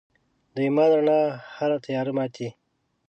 د ایمان رڼا هره تیاره ماتي.